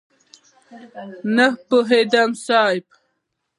نه پوهېږم صاحب؟!